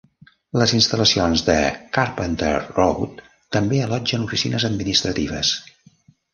Les instal·lacions de Carpenter Road també allotgen oficines administratives.